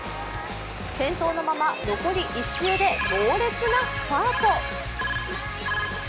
先頭のまま残り１周で猛烈なスパート。